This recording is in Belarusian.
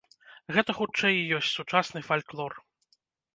Гэта, хутчэй, і ёсць сучасны фальклор.